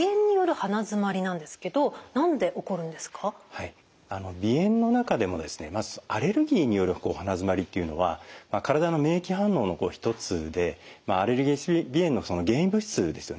まずその鼻炎の中でもですねまずアレルギーによる鼻づまりっていうのは体の免疫反応の一つでアレルギー性鼻炎の原因物質ですよね